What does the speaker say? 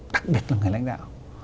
đặc biệt là người lãnh đạo